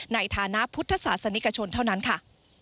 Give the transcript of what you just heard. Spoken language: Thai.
ในฐานะพุทธศาสนิกชนเท่านั้นค่ะ